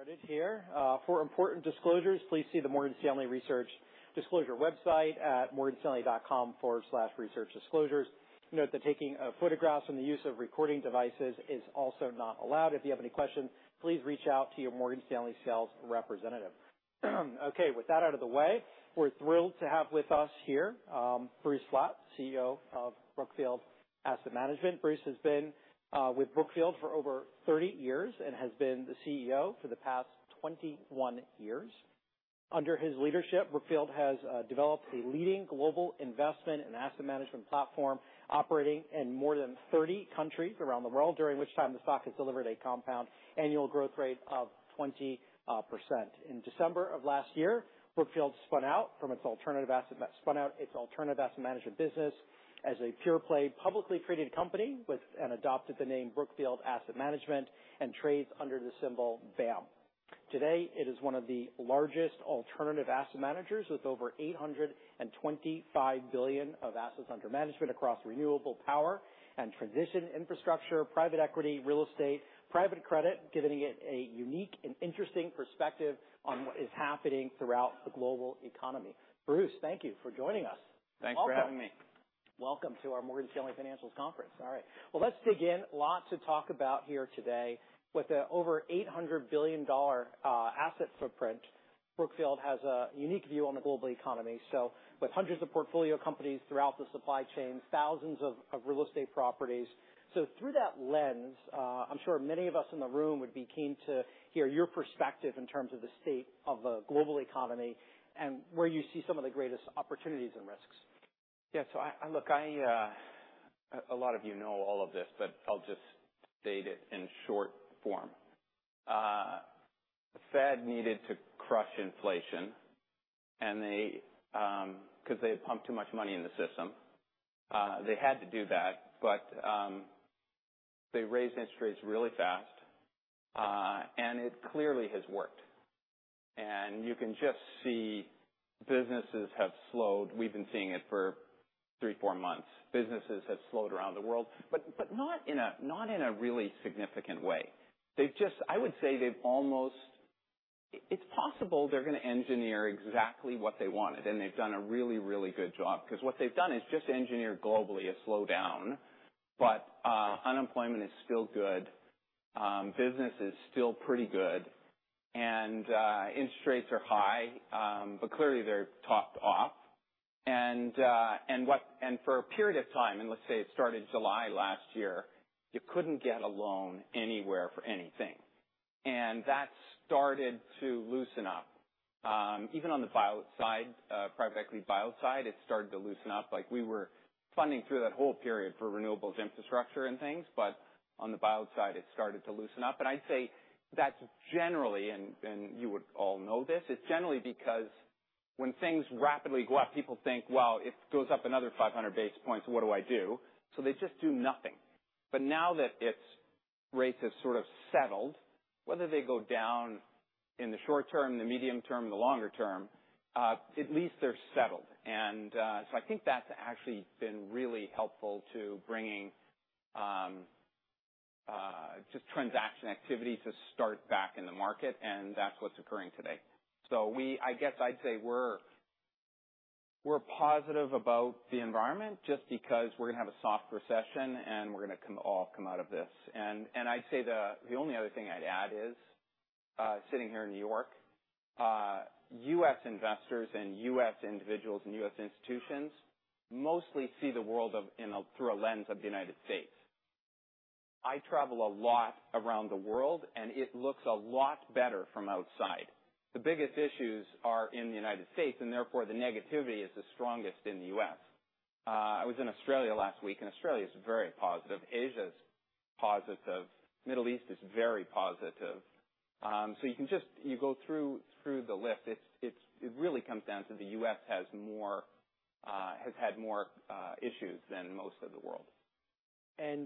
Started here. For important disclosures, please see the Morgan Stanley Research Disclosure website at morganstanley.com/researchdisclosures. Note that taking photographs and the use of recording devices is also not allowed. If you have any questions, please reach out to your Morgan Stanley sales representative. With that out of the way, we're thrilled to have with us here, Bruce Flatt, CEO of Brookfield Asset Management. Bruce has been with Brookfield for over 30 years and has been the CEO for the past 21 years. Under his leadership Brookfield has developed a leading global investment and asset management platform operating in more than 30 countries around the world, during which time the stock has delivered a compound annual growth rate of 20%. In December of last year, Brookfield spun out its alternative asset management business as a pure play, publicly traded company and adopted the name Brookfield Asset Management and trades under the symbol BAM. Today, it is one of the largest alternative asset managers with over $825 billion of assets under management across renewable power and transition infrastructure, private equity, real estate, private credit, giving it a unique and interesting perspective on what is happening throughout the global economy. Bruce, thank you for joining us. Welcome. Thanks for having me. Welcome to our Morgan Stanley Financials Conference. All right. Well, let's dig in. Lots to talk about here today. With a over $800 billion asset footprint, Brookfield has a unique view on the global economy, with hundreds of portfolio companies throughout the supply chain, thousands of real estate properties. Through that lens, I'm sure many of us in the room would be keen to hear your perspective in terms of the state of the global economy and where you see some of the greatest opportunities and risks. Look, I, a lot of you know all of this, but I'll just state it in short form. The Fed needed to crush inflation, 'cause they had pumped too much money in the system. They had to do that. They raised interest rates really fast, it clearly has worked. You can just see businesses have slowed. We've been seeing it for three, four months. Businesses have slowed around the world, but not in a, not in a really significant way. I would say they've almost, it's possible they're going to engineer exactly what they wanted, they've done a really, really good job, because what they've done is just engineer globally a slowdown. Unemployment is still good, business is still pretty good, interest rates are high, but clearly they're topped off. For a period of time, and let's say it started July last year, you couldn't get a loan anywhere for anything. That started to loosen up, even on the buyout side, private equity buyout side, it started to loosen up. Like, we were funding through that whole period for renewables infrastructure and things, but on the buyout side, it started to loosen up. I'd say that's generally, and you would all know this, it's generally because when things rapidly go up, people think, "Wow, it goes up another 500 basis points, what do I do?" They just do nothing. Now that its rates have sort of settled, whether they go down in the short term, the medium term, the longer term, at least they're settled. I think that's actually been really helpful to bringing just transaction activity to start back in the market, and that's what's occurring today. I guess I'd say we're positive about the environment just because we're going to have a soft recession, and we're going to all come out of this. I'd say the only other thing I'd add is, sitting here in New York, U.S. investors and U.S. individuals and U.S. institutions mostly see the world of, in a, through a lens of the United States. I travel a lot around the world, and it looks a lot better from outside. The biggest issues are in the United States. Therefore, the negativity is the strongest in the US. I was in Australia last week. Australia is very positive. Asia's positive. Middle East is very positive. You go through the list, it really comes down to the US has more, has had more issues than most of the world.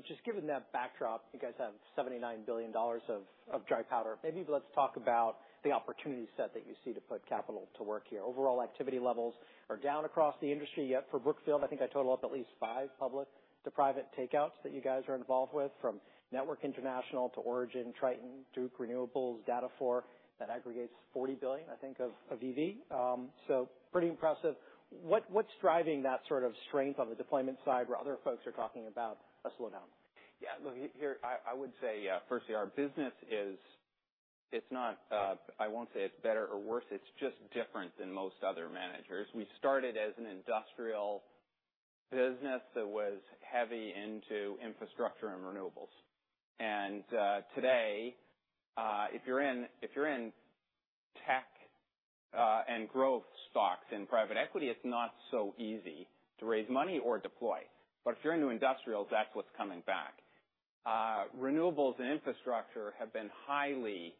Just given that backdrop, you guys have $79 billion of dry powder. Maybe let's talk about the opportunity set that you see to put capital to work here. Overall activity levels are down across the industry, yet for Brookfield, I think I total up at least five public to private takeouts that you guys are involved with, from Network International to Origin, Triton, Duke Renewables, DATA4, that aggregates $40 billion, I think, of EV. So pretty impressive. What's driving that sort of strength on the deployment side, where other folks are talking about a slowdown? Yeah, look, here, I would say, firstly, our business is, it's not, I won't say it's better or worse, it's just different than most other managers. We started as an industrial business that was heavy into infrastructure and renewables. Today, if you're in, if you're in tech, and growth stocks and private equity, it's not so easy to raise money or deploy. If you're into industrials, that's what's coming back. Renewables and infrastructure have been highly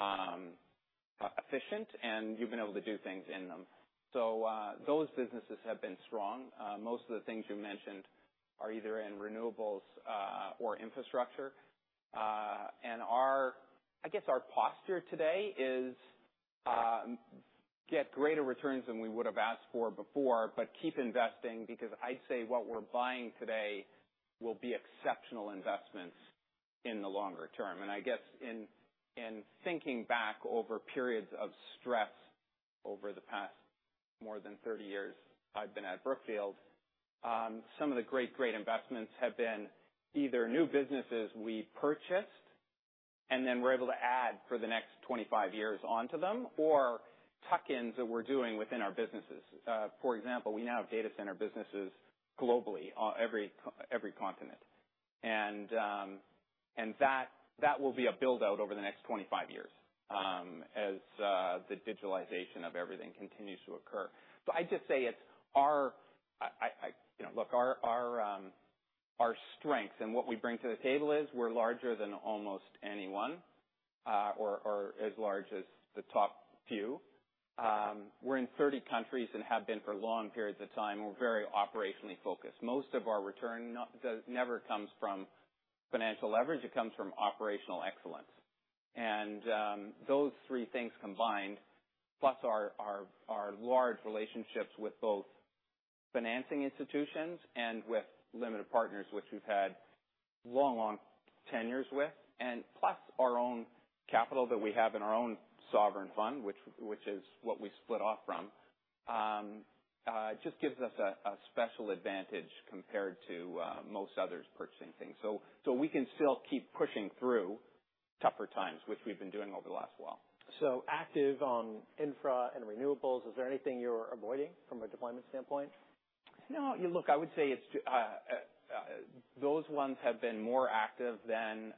efficient, and you've been able to do things in them. Those businesses have been strong. Most of the things you mentioned are either in renewables, or infrastructure. I guess our posture today is get greater returns than we would have asked for before. Keep investing, because I'd say what we're buying today will be exceptional investments in the longer term. I guess in thinking back over periods of stress over the past more than 30 years I've been at Brookfield, some of the great investments have been either new businesses we purchased, and then we're able to add for the next 25 years onto them, or tuck-ins that we're doing within our businesses. For example, we now have data center businesses globally on every continent. That will be a build-out over the next 25 years as the digitalization of everything continues to occur. I'd just say it's our, you know, look, our strengths and what we bring to the table is we're larger than almost anyone, or as large as the top few. We're in 30 countries and have been for long periods of time. We're very operationally focused. Most of our return never comes from financial leverage. It comes from operational excellence. Those three things combined, plus our large relationships with both financing institutions and with limited partners, which we've had long tenures with, and plus our own capital that we have in our own sovereign fund, which is what we split off from, just gives us a special advantage compared to most others purchasing things. We can still keep pushing through tougher times, which we've been doing over the last while. Active on infra and renewables, is there anything you're avoiding from a deployment standpoint? No. Look, I would say it's those ones have been more active than,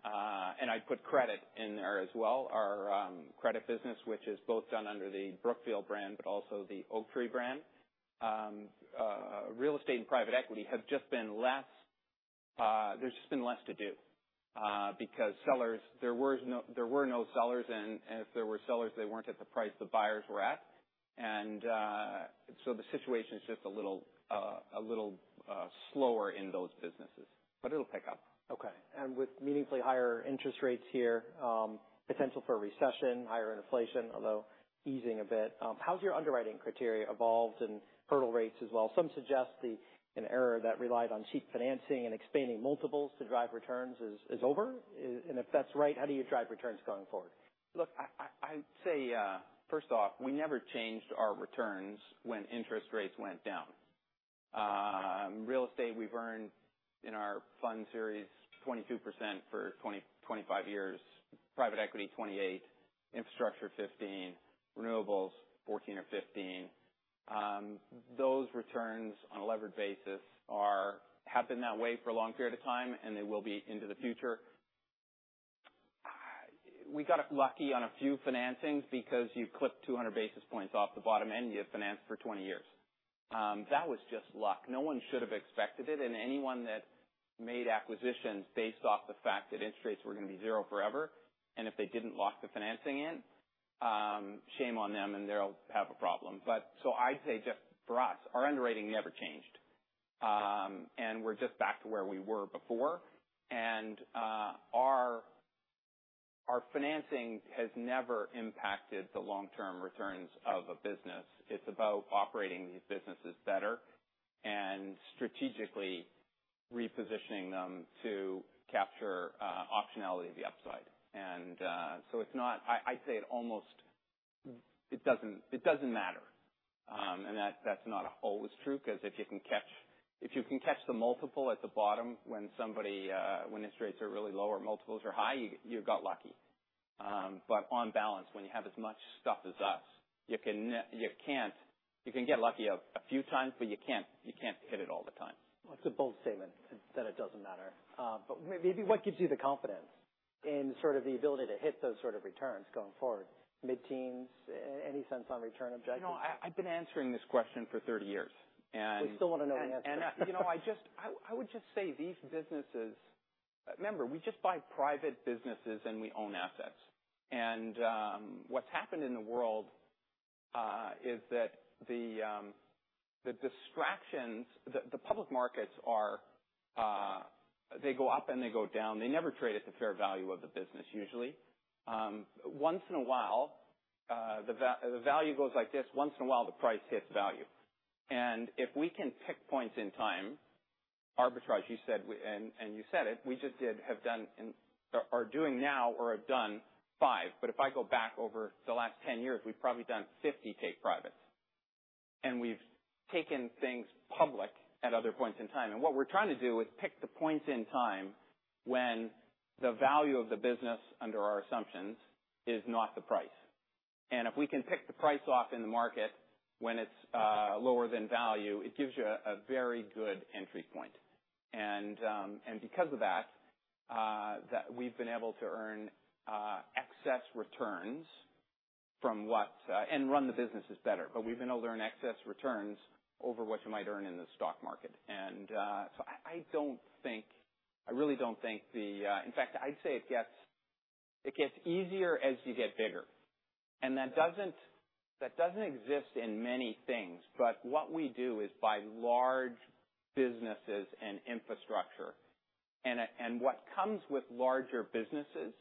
and I'd put credit in there as well. Our credit business, which is both done under the Brookfield brand, but also the Oaktree brand. Real estate and private equity have just been there's just been less to do, because sellers there were no sellers, and if there were sellers, they weren't at the price the buyers were at so the situation's just a little slower in those businesses, but it'll pick up. Okay. With meaningfully higher interest rates here, potential for a recession, higher inflation, although easing a bit, how's your underwriting criteria evolved and hurdle rates as well? Some suggest an era that relied on cheap financing and expanding multiples to drive returns is over. If that's right, how do you drive returns going forward? Look, I'd say, first off, we never changed our returns when interest rates went down. Real estate, we've earned in our fund series 22% for 20, 25 years, private equity, 28, infrastructure, 15, renewables, 14 or 15. Those returns on a levered basis have been that way for a long period of time, and they will be into the future. We got lucky on a few financings because you clip 200 basis points off the bottom end, you have finance for 20 years. That was just luck. No one should have expected it, and anyone that made acquisitions based off the fact that interest rates were going to be zero forever, and if they didn't lock the financing in, shame on them, and they'll have a problem. I'd say just for us, our underwriting never changed. We're just back to where we were before. Our financing has never impacted the long-term returns of a business. It's about operating these businesses better and strategically repositioning them to capture optionality of the upside. I'd say it almost. It doesn't matter. That's not always true, because if you can catch the multiple at the bottom when somebody when interest rates are really low or multiples are high, you got lucky. On balance, when you have as much stuff as us, you can't. You can get lucky a few times, but you can't hit it all the time. That's a bold statement, that it doesn't matter. Maybe what gives you the confidence in sort of the ability to hit those sort of returns going forward? Mid-teens, any sense on return objectives? You know, I've been answering this question for 30 years. We still want to know the answer. You know, I would just say these businesses. Remember, we just buy private businesses, and we own assets. What's happened in the world is that the distractions, the public markets are, they go up, and they go down. They never trade at the fair value of the business, usually. Once in a while, the value goes like this, once in a while, the price hits value. If we can pick points in time, arbitrage, you said, and you said it, we just did, have done and are doing now or have done five. If I go back over the last 10 years, we've probably done 50 take-privates, and we've taken things public at other points in time. What we're trying to do is pick the points in time when the value of the business, under our assumptions, is not the price. If we can pick the price off in the market when it's lower than value, it gives you a very good entry point and because of that we've been able to earn excess returns from what. Run the businesses better, but we've been able to earn excess returns over what you might earn in the stock market. I don't think, I really don't think in fact, I'd say it gets easier as you get bigger. That doesn't, that doesn't exist in many things, but what we do is buy large businesses and infrastructure. What comes with larger businesses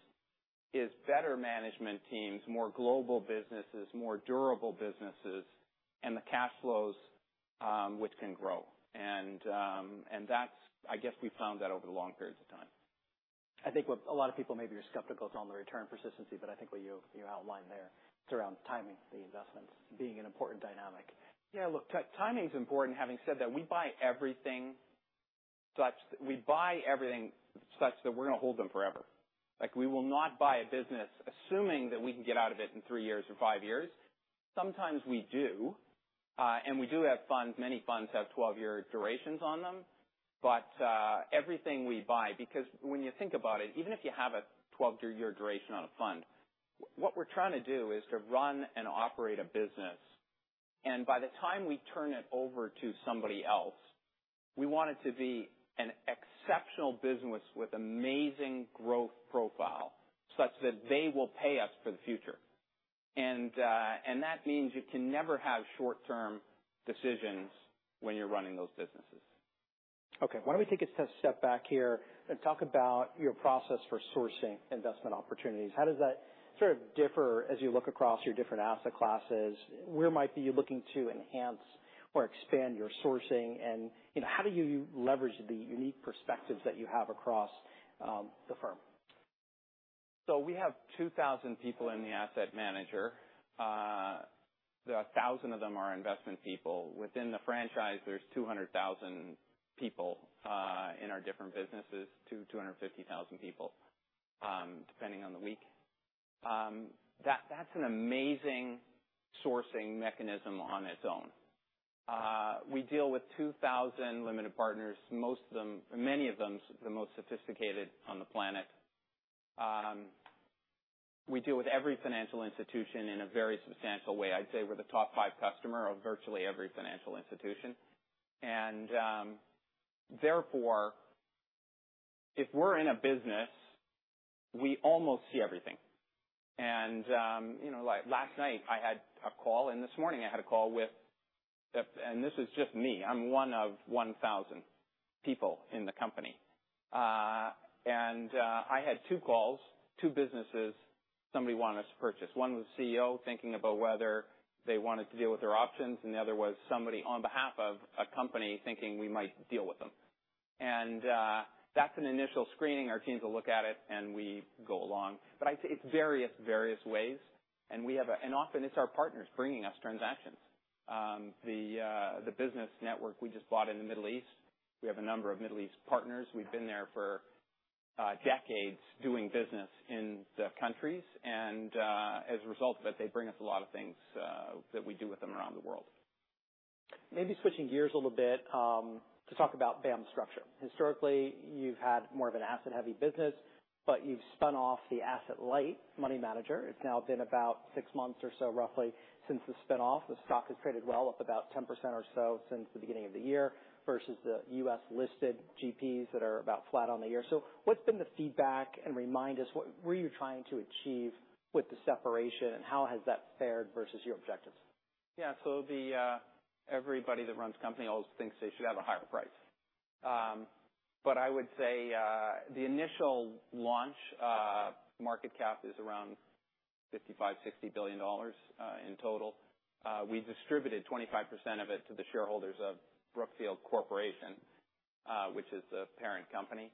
is better management teams, more global businesses, more durable businesses, and the cash flows, which can grow. That's I guess we've found that over the long periods of time. I think what a lot of people maybe are skeptical is on the return persistency. I think what you outlined there, it's around timing the investments being an important dynamic. Yeah, look, timing is important. Having said that, we buy everything such that we're going to hold them forever. Like, we will not buy a business assuming that we can get out of it in three years or five years. Sometimes we do, and we do have funds. Many funds have 12-year durations on them. everything we buy, because when you think about it, even if you have a 12-year duration on a fund, what we're trying to do is to run and operate a business, and by the time we turn it over to somebody else, we want it to be an exceptional business with amazing growth profile, such that they will pay us for the future. That means you can never have short-term decisions when you're running those businesses. Okay, why don't we take a step back here and talk about your process for sourcing investment opportunities. How does that sort of differ as you look across your different asset classes? Where might be you looking to enhance or expand your sourcing? You know, how do you leverage the unique perspectives that you have across the firm? We have 2,000 people in the asset manager. 1,000 of them are investment people. Within the franchise, there's 200,000 people in our different businesses, 250,000 people, depending on the week. That's an amazing sourcing mechanism on its own. We deal with 2,000 limited partners, many of them, the most sophisticated on the planet. We deal with every financial institution in a very substantial way. I'd say we're the top five customer of virtually every financial institution. Therefore, if we're in a business, we almost see everything. You know, like last night, I had a call, this morning I had a call with and this is just me. I'm 1 of 1,000 people in the company. I had two calls, two businesses, somebody wanted us to purchase. One was a CEO thinking about whether they wanted to deal with their options, and the other was somebody on behalf of a company thinking we might deal with them. That's an initial screening. Our teams will look at it, and we go along. I'd say it's various ways, and often it's our partners bringing us transactions. The business network we just bought in the Middle East, we have a number of Middle East partners. We've been there for decades doing business in the countries, and, as a result of it, they bring us a lot of things that we do with them around the world. Maybe switching gears a little bit, to talk about BAM structure. Historically, you've had more of an asset-heavy business, but you've spun off the asset light money manager. It's now been about 6 months or so, roughly, since the spin-off. The stock has traded well, up about 10% or so since the beginning of the year, versus the U.S. listed GPs that are about flat on the year. What's been the feedback, and remind us, what were you trying to achieve with the separation, and how has that fared versus your objectives? Yeah. Everybody that runs company always thinks they should have a higher price. I would say the initial launch market cap is around $55-$60 billion in total. We distributed 25% of it to the shareholders of Brookfield Corporation, which is the parent company.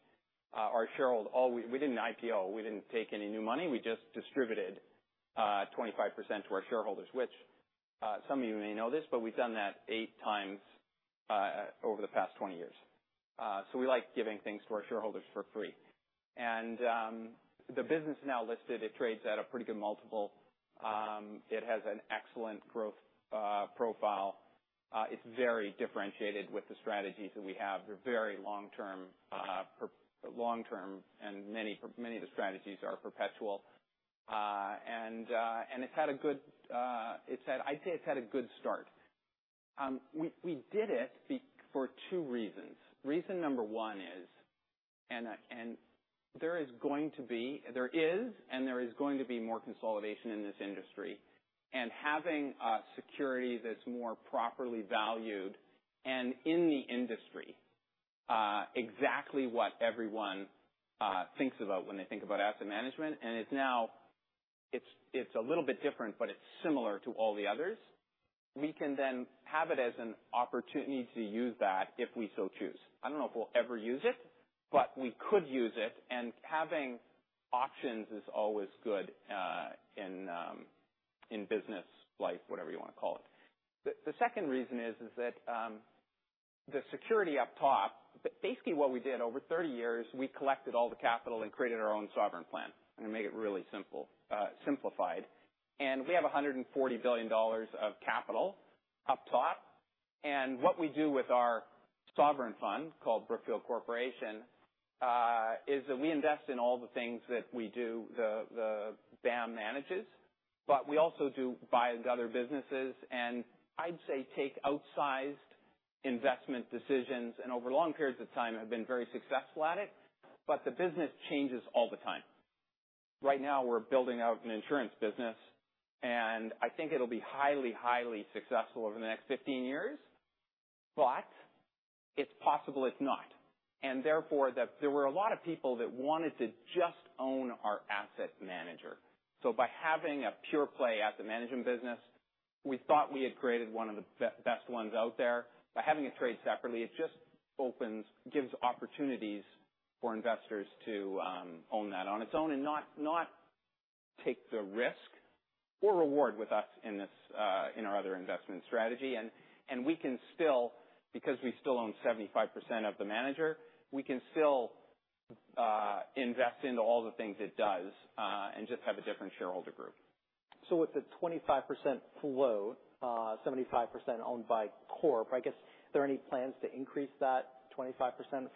Our shareholder we did an IPO. We didn't take any new money. We just distributed 25% to our shareholders, which some of you may know this, but we've done that 8x over the past 20 years. We like giving things to our shareholders for free. The business is now listed. It trades at a pretty good multiple. It has an excellent growth profile. It's very differentiated with the strategies that we have. They're very long term, and many of the strategies are perpetual. It's had a good, I'd say it's had a good start. We did it for two reasons. Reason number one is, there is, and there is going to be more consolidation in this industry, and having a security that's more properly valued and in the industry, exactly what everyone thinks about when they think about asset management. It's now, it's a little bit different, but it's similar to all the others. We can then have it as an opportunity to use that if we so choose. I don't know if we'll ever use it, but we could use it, and having options is always good in business, life, whatever you want to call it. The second reason is that the security up top, basically what we did over 30 years, we collected all the capital and created our own sovereign plan, I'm gonna make it really simple, simplified. We have $140 billion of capital up top. What we do with our sovereign fund, called Brookfield Corporation, is that we invest in all the things that we do, the BAM manages, but we also do buy into other businesses and I'd say take outsized investment decisions, and over long periods of time, have been very successful at it. The business changes all the time. Right now, we're building out an insurance business, and I think it'll be highly successful over the next 15 years, but it's possible it's not. Therefore, that there were a lot of people that wanted to just own our asset manager. By having a pure play asset management business, we thought we had created one of the best ones out there. By having it trade separately, it just gives opportunities for investors to own that on its own and not take the risk or reward with us in this in our other investment strategy. We can still, because we still own 75% of the manager, we can still invest into all the things it does and just have a different shareholder group. With the 25% float, 75% owned by Corp, I guess, are there any plans to increase that 25%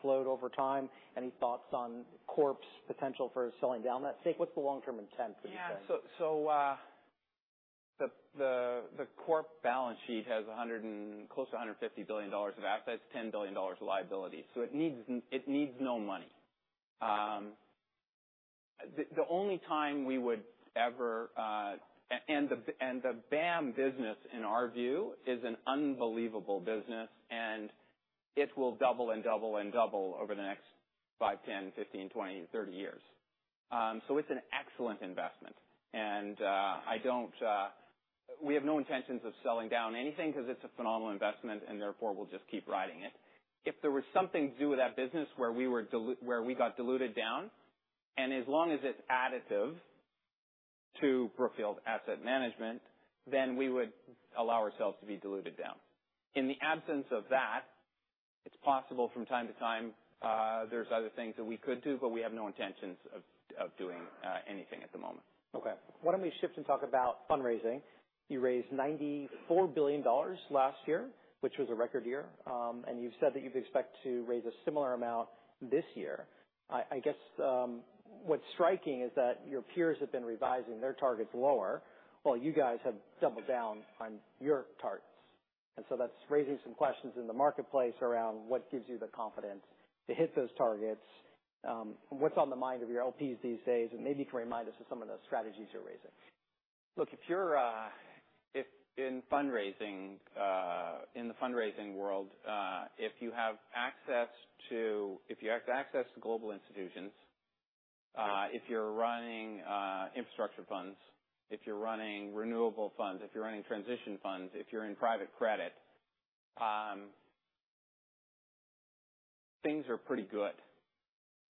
float over time? Any thoughts on Corp's potential for selling down that stake? What's the long-term intent for? Yeah, the Corp balance sheet has close to $150 billion of assets, $10 billion of liabilities. It needs no money. The only time we would ever, and the BAM business, in our view, is an unbelievable business, and it will double and double and double over the next 5, 10, 15, 20, 30 years. It's an excellent investment, and I don't, we have no intentions of selling down anything because it's a phenomenal investment and therefore we'll just keep riding it. If there was something to do with that business where we got diluted down, and as long as it's additive to Brookfield Asset Management, then we would allow ourselves to be diluted down. In the absence of that, it's possible from time to time, there's other things that we could do, but we have no intentions of doing anything at the moment. Okay. Why don't we shift and talk about fundraising? You raised $94 billion last year, which was a record year, and you've said that you'd expect to raise a similar amount this year. I guess, what's striking is that your peers have been revising their targets lower, while you guys have doubled down on your targets. So that's raising some questions in the marketplace around what gives you the confidence to hit those targets, what's on the mind of your LPs these days, and maybe you can remind us of some of the strategies you're raising. Look, if you're if in fundraising, in the fundraising world, if you have access to global institutions, if you're running infrastructure funds, if you're running renewable funds, if you're running transition funds, if you're in private credit, things are pretty good.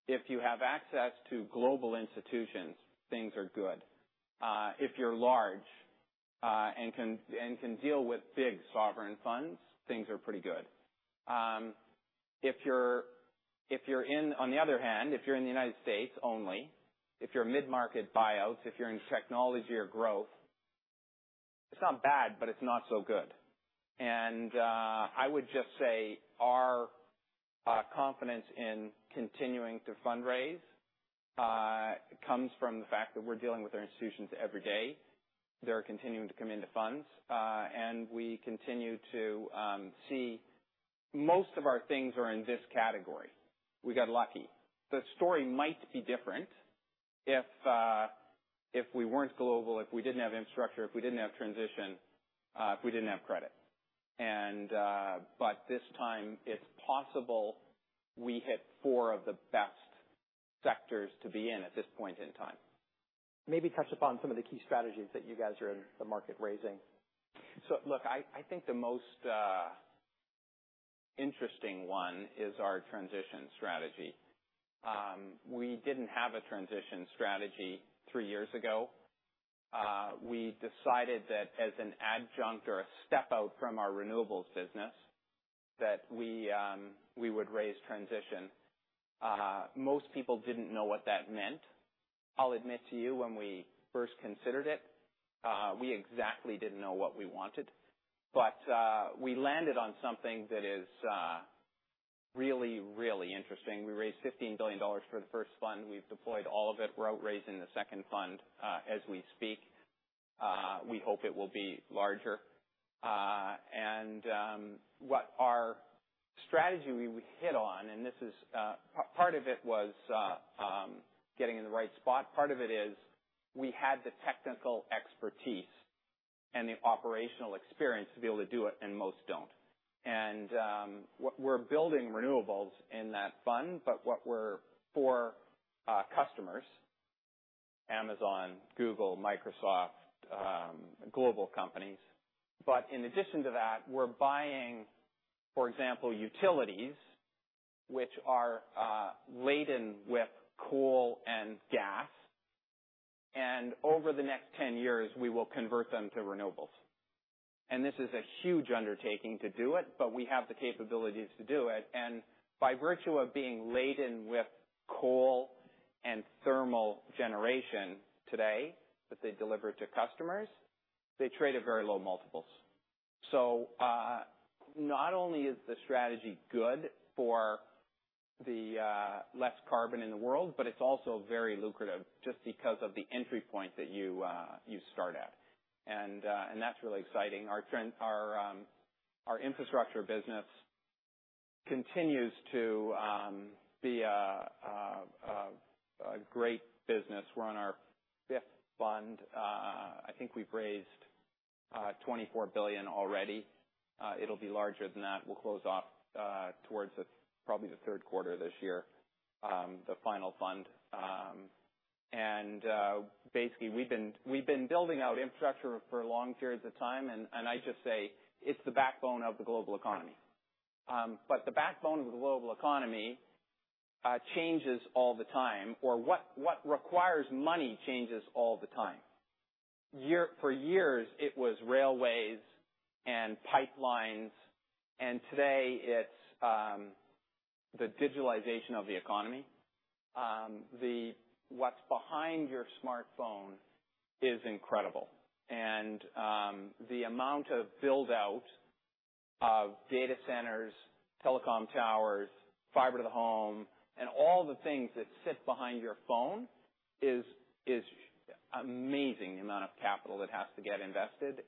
If you have access to global institutions, things are good. If you're large and can deal with big sovereign funds, things are pretty good. On the other hand, if you're in the United States only, if you're a mid-market buyouts, if you're in technology or growth, it's not bad, but it's not so good. I would just say our confidence in continuing to fundraise comes from the fact that we're dealing with our institutions every day. They're continuing to come into funds, and we continue to see most of our things are in this category. We got lucky. The story might be different if we weren't global, if we didn't have infrastructure, if we didn't have transition, if we didn't have credit. This time it's possible we hit 4 of the best sectors to be in at this point in time. Maybe touch upon some of the key strategies that you guys are in the market raising. Look, I think the most interesting one is our transition strategy. We didn't have a transition strategy three years ago. We decided that as an adjunct or a step out from our renewables business, that we would raise transition. Most people didn't know what that meant. I'll admit to you, when we first considered it, we exactly didn't know what we wanted, but we landed on something that is really, really interesting. We raised $15 billion for the first fund. We've deployed all of it. We're out raising the second fund, as we speak. We hope it will be larger. What our strategy we hit on, and this is part of it was getting in the right spot. Part of it is we had the technical expertise and the operational experience to be able to do it, and most don't. What we're building renewables in that fund, but what we're four customers, Amazon, Google, Microsoft, global companies. In addition to that, we're buying, for example, utilities, which are laden with coal and gas, and over the next 10 years, we will convert them to renewables. This is a huge undertaking to do it, but we have the capabilities to do it. By virtue of being laden with coal and thermal generation today, that they deliver to customers, they trade at very low multiples. Not only is the strategy good for the less carbon in the world, but it's also very lucrative just because of the entry point that you start at. That's really exciting. Our infrastructure business continues to be a great business. We're on our fifth fund. I think we've raised $24 billion already. It'll be larger than that. We'll close off towards the, probably the third quarter this year, the final fund. Basically, we've been building out infrastructure for long periods of time, and I just say it's the backbone of the global economy. The backbone of the global economy changes all the time, or what requires money changes all the time. For years, it was railways and pipelines, and today it's the digitalization of the economy. What's behind your smartphone is incredible. The amount of build-out of data centers, telecom towers, fiber to the home, and all the things that sit behind your phone is amazing amount of capital that has to get invested,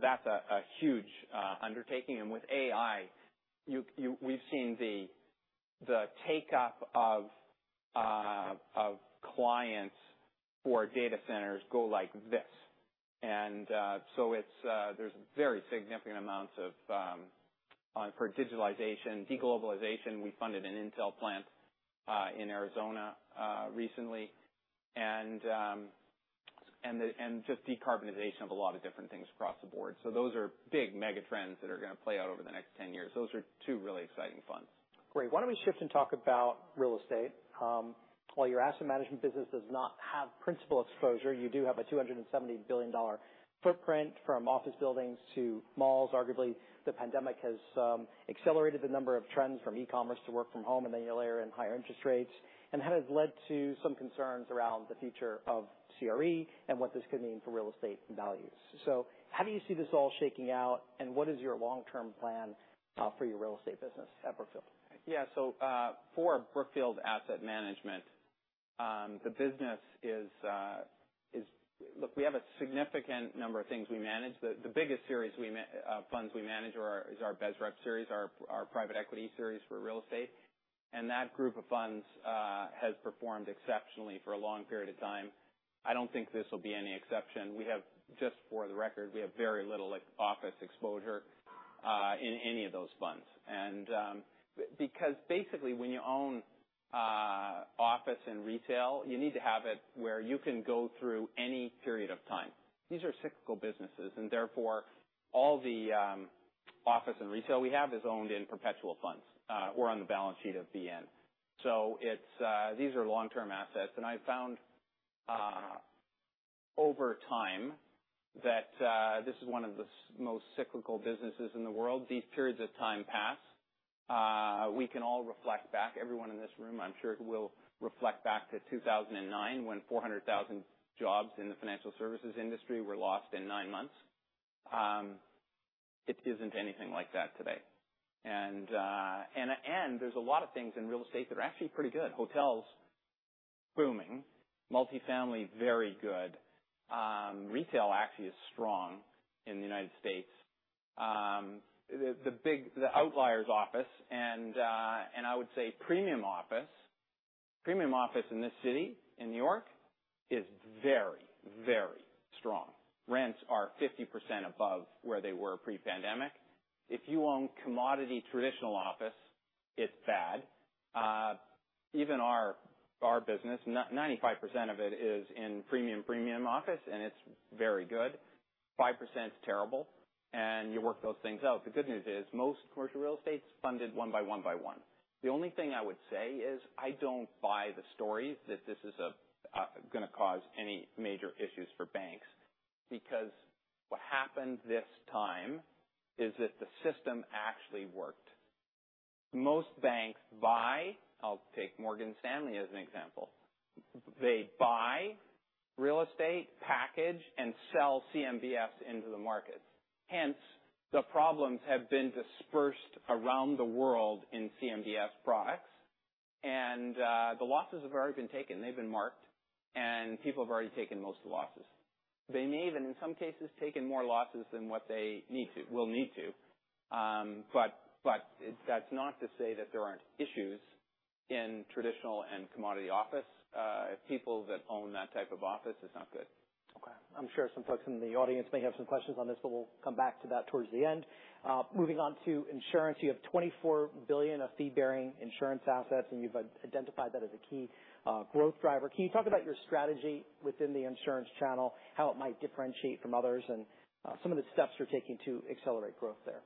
that's a huge undertaking. With AI, we've seen the take-up of clients for data centers go like this. It's there's very significant amounts for digitalization. Deglobalization, we funded an Intel plant in Arizona recently. Just decarbonization of a lot of different things across the board. Those are big mega trends that are going to play out over the next 10 years. Those are two really exciting funds. Great. Why don't we shift and talk about real estate? While your asset management business does not have principal exposure, you do have a $270 billion footprint from office buildings to malls. Arguably, the pandemic has accelerated the number of trends from e-commerce to work from home, and then you layer in higher interest rates, and that has led to some concerns around the future of CRE and what this could mean for real estate values. How do you see this all shaking out, and what is your long-term plan for your real estate business at Brookfield? Yeah. For Brookfield Asset Management, the business is. Look, we have a significant number of things we manage. The biggest series funds we manage is our BSREP series, our private equity series for real estate. That group of funds has performed exceptionally for a long period of time. I don't think this will be any exception. We have, just for the record, we have very little, like, office exposure in any of those funds. Because basically, when you own office and retail, you need to have it where you can go through any period of time. These are cyclical businesses. Therefore, all the office and retail we have is owned in perpetual funds or on the balance sheet of BN. It's these are long-term assets, and I found over time that this is one of the most cyclical businesses in the world. These periods of time pass. We can all reflect back. Everyone in this room, I'm sure, will reflect back to 2009, when 400,000 jobs in the financial services industry were lost in nine months. It isn't anything like that today. There's a lot of things in real estate that are actually pretty good. Hotels, booming. Multifamily, very good. Retail actually is strong in the United States. The outlier is office and I would say premium office. Premium office in this city, in New York, is very, very strong. Rents are 50% above where they were pre-pandemic. If you own commodity traditional office, it's bad. Even our business, 95% of it is in premium office, and it's very good. 5% is terrible. You work those things out. The good news is most commercial real estate is funded one by one by one. The only thing I would say is I don't buy the story that this is gonna cause any major issues for banks, because what happened this time is that the system actually worked. Most banks. I'll take Morgan Stanley as an example. They buy real estate, package, and sell CMBS into the market. Hence, the problems have been dispersed around the world in CMBS products. The losses have already been taken. They've been marked, and people have already taken most of the losses. They may even, in some cases, taken more losses than what they need to, will need to. That's not to say that there aren't issues in traditional and commodity office. People that own that type of office, it's not good. Okay. I'm sure some folks in the audience may have some questions on this, we'll come back to that towards the end. Moving on to insurance. You have $24 billion of fee-bearing insurance assets, and you've identified that as a key growth driver. Can you talk about your strategy within the insurance channel, how it might differentiate from others, and some of the steps you're taking to accelerate growth there?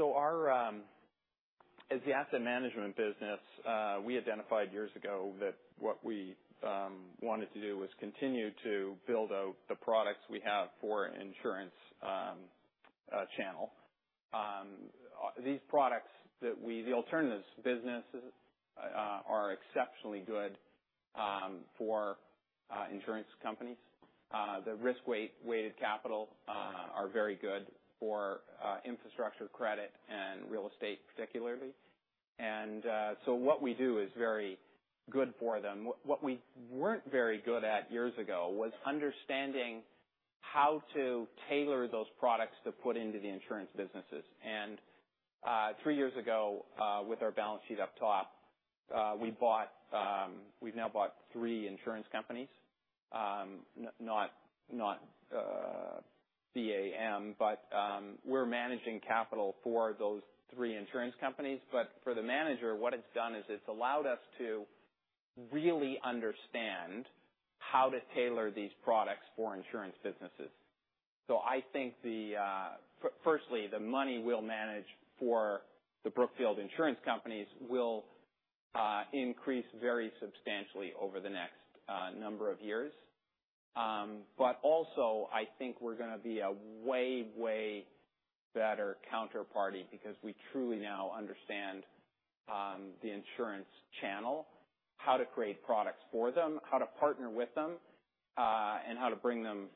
Our as the asset management business, we identified years ago that what we wanted to do was continue to build out the products we have for insurance channel. These products that the alternatives businesses are exceptionally good for insurance companies. The risk-weighted capital are very good for infrastructure credit and real estate particularly. What we do is very good for them. What we weren't very good at years ago was understanding how to tailor those products to put into the insurance businesses. Three years ago, with our balance sheet up top, we bought, we've now bought three insurance companies. Not BAM, but we're managing capital for those three insurance companies. For the manager, what it's done is it's allowed us to really understand how to tailor these products for insurance businesses. I think the firstly, the money we'll manage for the Brookfield Insurance companies will increase very substantially over the next number of years. Also, I think we're gonna be a way better counterparty because we truly now understand the insurance channel, how to create products for them, how to partner with them, and how to bring them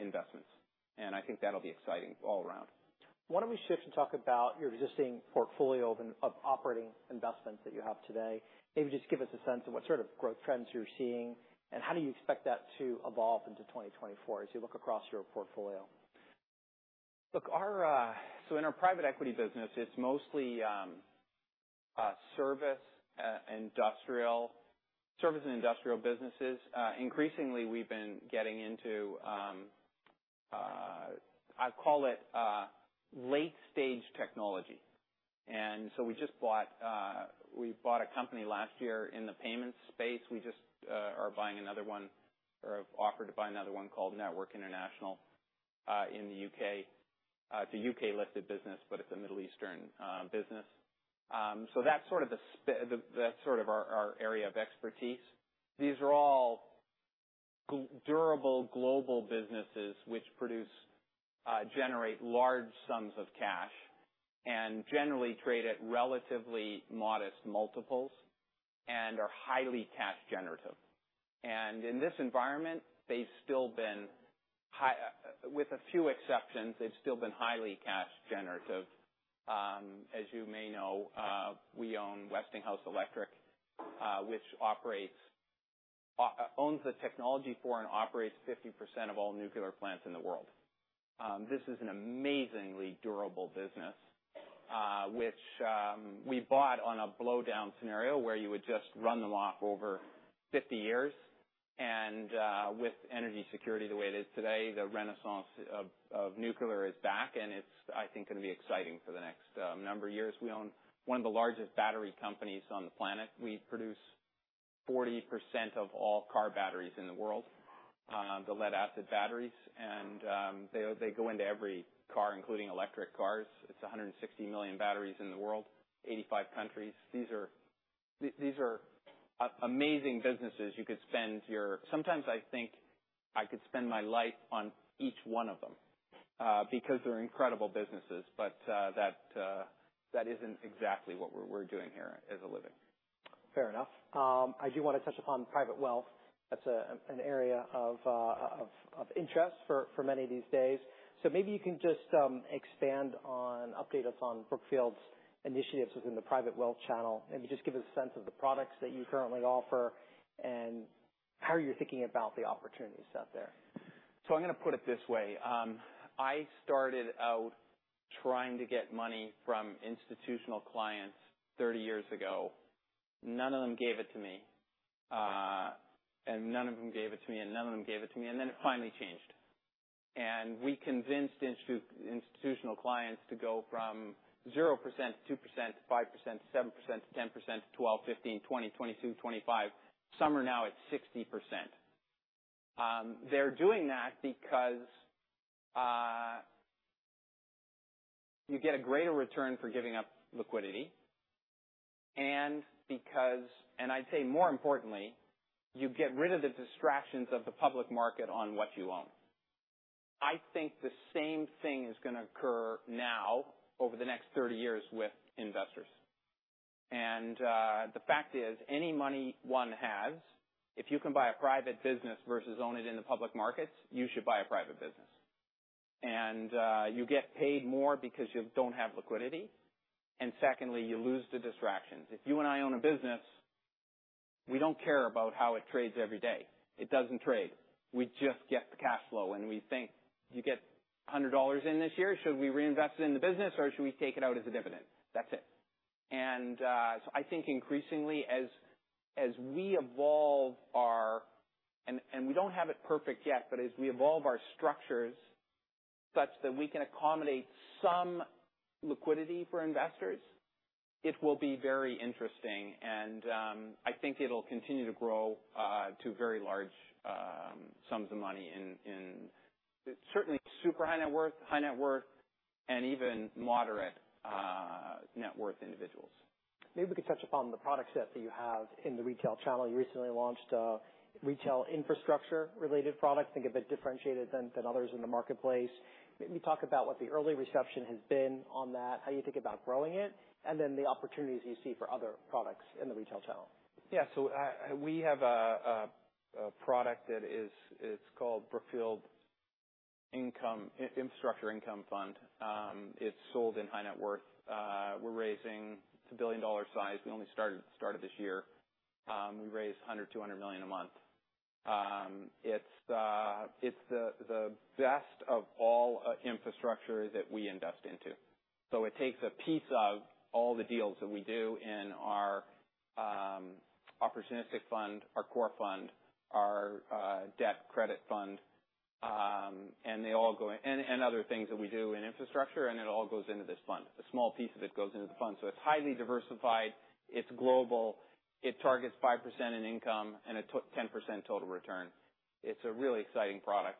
investments. I think that'll be exciting all around. Why don't we shift and talk about your existing portfolio of operating investments that you have today? Maybe just give us a sense of what sort of growth trends you're seeing, and how do you expect that to evolve into 2024 as you look across your portfolio? Look, our. In our private equity business, it's mostly service, industrial, service and industrial businesses. Increasingly, we've been getting into, I call it, late stage technology. We just bought, we bought a company last year in the payments space. We just are buying another one or have offered to buy another one called Network International in the U.K. It's a U.K.-listed business, but it's a Middle Eastern business. That's sort of our area of expertise. These are all durable global businesses which produce, generate large sums of cash and generally trade at relatively modest multiples and are highly cash generative. In this environment, they've still been with a few exceptions, they've still been highly cash generative. As you may know, we own Westinghouse Electric, which operates, owns the technology for and operates 50% of all nuclear plants in the world. This is an amazingly durable business, which we bought on a blowdown scenario, where you would just run them off over 50 years. With energy security the way it is today, the renaissance of nuclear is back, and it's, I think, gonna be exciting for the next number of years. We own one of the largest battery companies on the planet. We produce 40% of all car batteries in the world, the lead-acid batteries, and they go into every car, including electric cars. It's 160 million batteries in the world, 85 countries. These are amazing businesses. You could spend sometimes I think I could spend my life on each one of them, because they're incredible businesses, but that isn't exactly what we're doing here as a living. Fair enough. I do wanna touch upon private wealth. That's an area of interest for many these days. Maybe you can just expand on, update us on Brookfield's initiatives within the private wealth channel. Maybe just give us a sense of the products that you currently offer and how you're thinking about the opportunities out there. I'm gonna put it this way. I started out trying to get money from institutional clients 30 years ago. None of them gave it to me, none of them gave it to me, none of them gave it to me, it finally changed. We convinced institutional clients to go from 0%, 2%, to 5%, to 7%, to 10%, to 12, 15, 20, 22, 25. Some are now at 60%. They're doing that because you get a greater return for giving up liquidity and because. I'd say more importantly, you get rid of the distractions of the public market on what you own. I think the same thing is gonna occur now over the next 30 years with investors. The fact is, any money one has, if you can buy a private business versus own it in the public markets, you should buy a private business. You get paid more because you don't have liquidity, and secondly, you lose the distractions. If you and I own a business, we don't care about how it trades every day. It doesn't trade. We just get the cash flow, and we think, "You get $100 in this year, should we reinvest it in the business, or should we take it out as a dividend?" That's it. I think increasingly, as we evolve our. We don't have it perfect yet, but as we evolve our structures such that we can accommodate some liquidity for investors, it will be very interesting, and I think it'll continue to grow to very large sums of money in certainly super high net worth, high net worth, and even moderate net worth individuals. Maybe we could touch upon the product set that you have in the retail channel. You recently launched a retail infrastructure-related product, I think a bit differentiated than others in the marketplace. Maybe talk about what the early reception has been on that, how you think about growing it, and then the opportunities you see for other products in the retail channel. We have a product that is, it's called Brookfield Infrastructure Income Fund. It's sold in high net worth. It's a $1 billion size. We only started this year. We raise $100-$200 million a month. It's the best of all infrastructure that we invest into. It takes a piece of all the deals that we do in our opportunistic fund, our core fund, our debt credit fund, other things that we do in infrastructure, it all goes into this fund. A small piece of it goes into the fund. It's highly diversified, it's global, it targets 5% in income and a 10% total return. It's a really exciting product,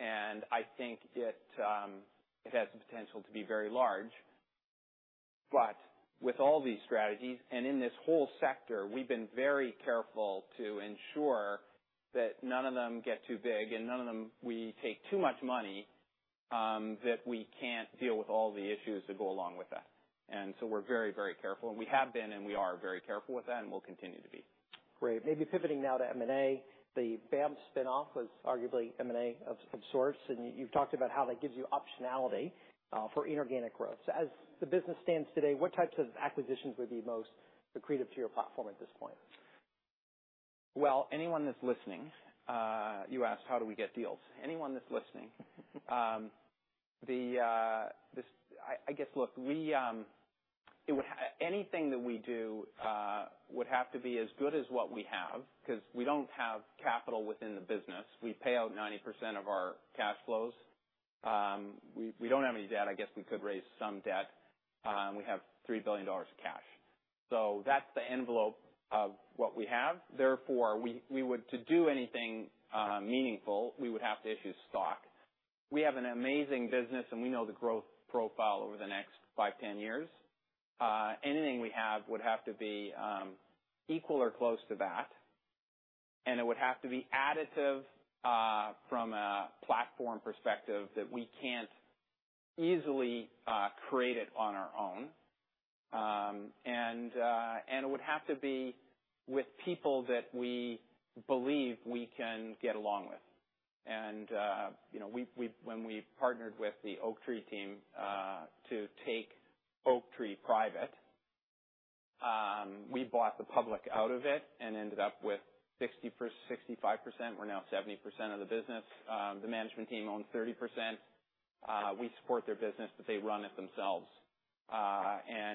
and I think it has the potential to be very large. With all these strategies, and in this whole sector, we've been very careful to ensure that none of them get too big and none of them we take too much money, that we can't deal with all the issues that go along with that. We're very, very careful, and we have been, and we are very careful with that, and we'll continue to be. Great. Maybe pivoting now to M&A. The BAM spin-off was arguably M&A of sorts, and you've talked about how that gives you optionality for inorganic growth. As the business stands today, what types of acquisitions would be most accretive to your platform at this point? Well, anyone that's listening, you asked, how do we get deals? Anyone that's listening, I guess, look, we, anything that we do would have to be as good as what we have, 'cause we don't have capital within the business. We pay out 90% of our cash flows. We don't have any debt. I guess we could raise some debt. We have $3 billion of cash. That's the envelope of what we have. Therefore, to do anything meaningful, we would have to issue stock. We have an amazing business, and we know the growth profile over the next five, 10 years. Anything we have would have to be equal or close to that, and it would have to be additive from a platform perspective that we can't easily create it on our own. It would have to be with people that we believe we can get along with. You know, we when we partnered with the Oaktree team to take Oaktree private, we bought the public out of it and ended up with 65%. We're now 70% of the business. The management team owns 30%. We support their business, but they run it themselves.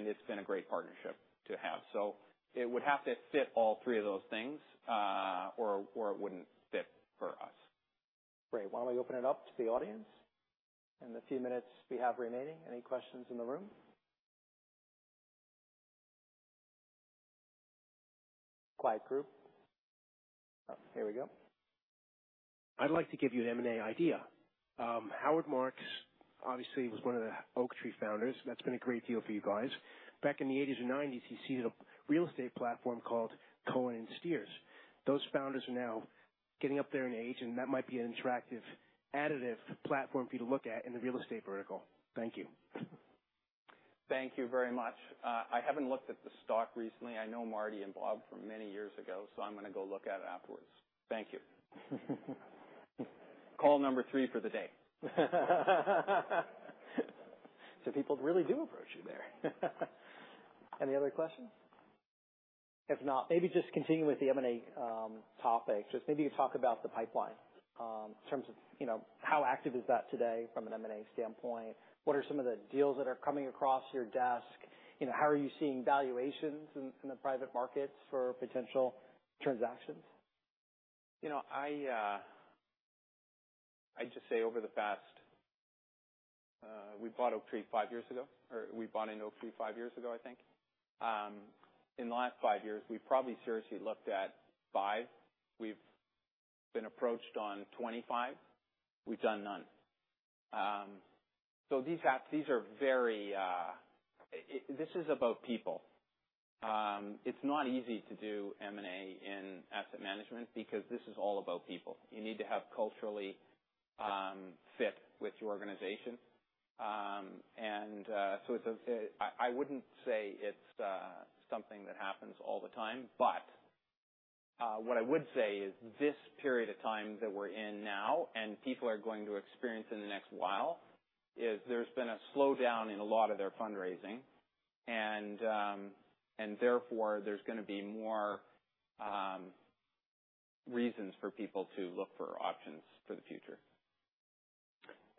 It's been a great partnership to have. It would have to fit all three of those things, or it wouldn't fit for us. Great. Why don't we open it up to the audience in the few minutes we have remaining? Any questions in the room? Quiet group. Oh, here we go. I'd like to give you an M&A idea. Howard Marks obviously was one of the Oaktree founders. That's been a great deal for you guys. Back in the '80s and '90s, he seeded a real estate platform called Cohen & Steers. Those founders are now getting up there in age, and that might be an attractive additive platform for you to look at in the real estate vertical. Thank you. Thank you very much. I haven't looked at the stock recently. I know Marty and Bob from many years ago, I'm gonna go look at it afterwards. Thank you. Call number three for the day. People really do approach you there. Any other questions? If not, maybe just continue with the M&A topic. Just maybe you talk about the pipeline, in terms of, you know, how active is that today from an M&A standpoint? What are some of the deals that are coming across your desk? You know, how are you seeing valuations in the private markets for potential transactions? You know, I'd just say over the past we bought Oaktree five years ago, or we bought into Oaktree five years ago, I think. In the last five years, we've probably seriously looked at five. We've been approached on 25. We've done none. These are very. This is about people. It's not easy to do M&A in asset management because this is all about people. You need to have culturally fit with your organization. I wouldn't say it's something that happens all the time, but what I would say is this period of time that we're in now and people are going to experience in the next while, is there's been a slowdown in a lot of their fundraising, and therefore, there's gonna be more reasons for people to look for options for the future.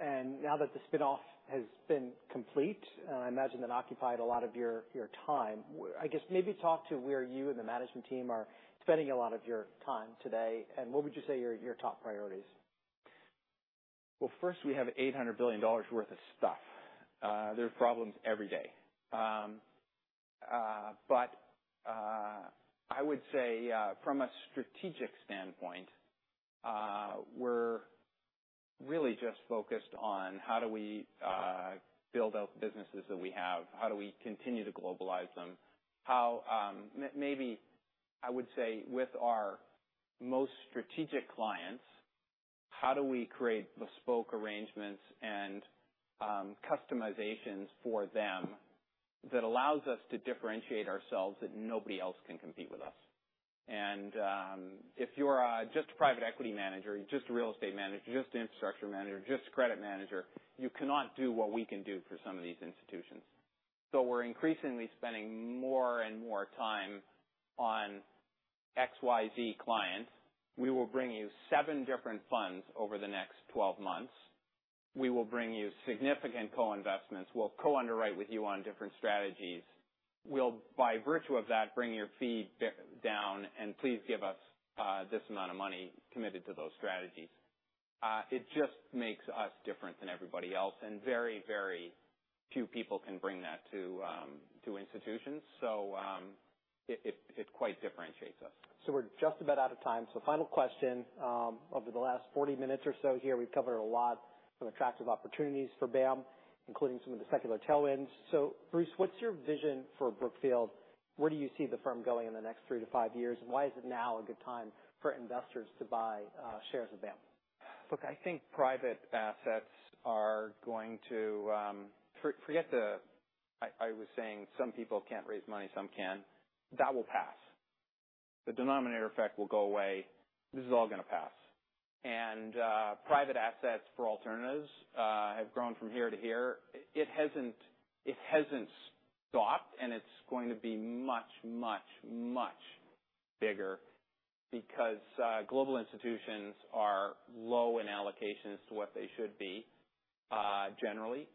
Now that the spin-off has been complete, and I imagine that occupied a lot of your time, I guess maybe talk to where you and the management team are spending a lot of your time today, and what would you say are your top priorities? Well, first, we have $800 billion worth of stuff. There are problems every day. I would say, from a strategic standpoint, we're really just focused on how do we build out the businesses that we have? How do we continue to globalize them? How, maybe I would say, with our most strategic clients, how do we create bespoke arrangements and customizations for them that allows us to differentiate ourselves that nobody else can compete with us? If you're just a private equity manager, you're just a real estate manager, you're just an infrastructure manager, just a credit manager, you cannot do what we can do for some of these institutions. We're increasingly spending more and more time on XYZ clients. We will bring you seven different funds over the next 12 months. We will bring you significant co-investments. We'll co-underwrite with you on different strategies. We'll, by virtue of that, bring your fee down. Please give us this amount of money committed to those strategies. It just makes us different than everybody else, and very, very few people can bring that to institutions. It quite differentiates us. We're just about out of time. Final question, over the last 40 minutes or so here, we've covered a lot of attractive opportunities for BAM, including some of the secular tailwinds. Bruce, what's your vision for Brookfield? Where do you see the firm going in the next three to five years and why is it now a good time for investors to buy shares of BAM? Look, I think private assets are going to. I was saying some people can't raise money, some can. That will pass. The denominator effect will go away. This is all gonna pass. Private assets for alternatives have grown from here to here. It hasn't stopped, and it's going to be much, much, much bigger because global institutions are low in allocations to what they should be generally.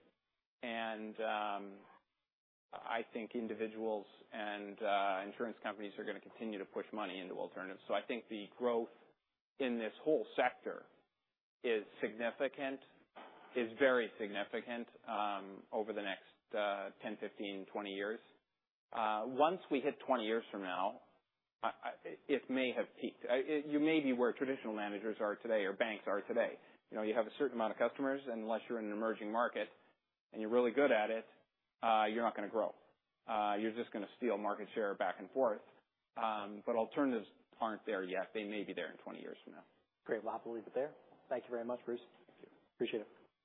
I think individuals and insurance companies are gonna continue to push money into alternatives. I think the growth in this whole sector is significant, is very significant over the next 10, 15, 20 years. Once we hit 20 years from now, it may have peaked. You may be where traditional managers are today or banks are today. You know, you have a certain amount of customers, unless you're in an emerging market and you're really good at it, you're not gonna grow. You're just gonna steal market share back and forth. Alternatives aren't there yet. They may be there in 20 years from now. Great. Well, I'll leave it there. Thank you very much, Bruce. Thank you. Appreciate it.